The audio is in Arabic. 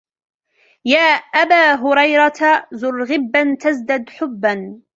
يَا أَبَا هُرَيْرَةَ زُرْ غِبًّا تَزْدَدْ حُبًّا